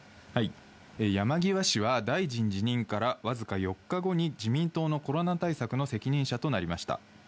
山際氏は、大臣辞任から僅か４日後に自民党のコロナ対策の責任者となりました。